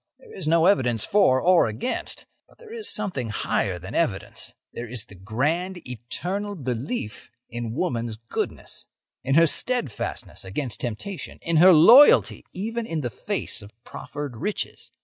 There is no evidence for or against. But there is something higher than evidence; there is the grand, eternal belief in woman's goodness, in her steadfastness against temptation, in her loyalty even in the face of proffered riches.